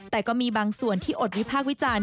แต่ก็มีบางส่วนที่อดวิพากษ์วิจารณ์